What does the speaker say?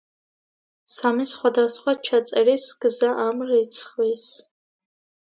სამი სხვადასხვა ჩაწერის გზა ამ რიცხვის.